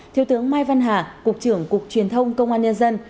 thiếu tướng mai văn hà cục trưởng cục truyền thông công an nhân dân